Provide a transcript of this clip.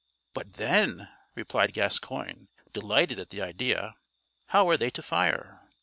"But then," replied Gascoigne, delighted at the idea, "how are they to fire?"